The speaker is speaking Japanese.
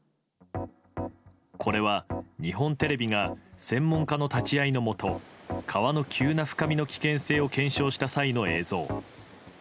これは、日本テレビが専門家の立ち会いのもと川の急な深みの危険性を検証した際の映像。